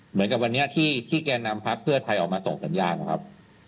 เหมือนกับวันนี้ที่แก่นำพักเพื่อไทยออกมาส่งสัญญาณนะครับ